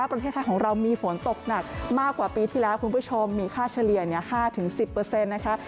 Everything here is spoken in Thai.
ประเทศไทยของเรามีฝนตกหนักมากกว่าปีที่แล้วคุณผู้ชมมีค่าเฉลี่ย๕๑๐นะคะ